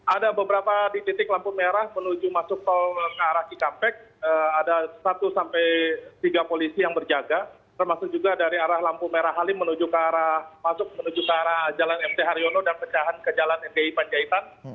ada beberapa di titik lampu merah menuju masuk tol ke arah cikampek ada satu sampai tiga polisi yang berjaga termasuk juga dari arah lampu merah halim menuju ke arah masuk menuju ke arah jalan mt haryono dan pecahan ke jalan mti panjaitan